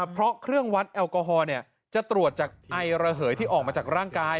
เพราะเครื่องวัดแอลกอฮอล์จะตรวจจากไอระเหยที่ออกมาจากร่างกาย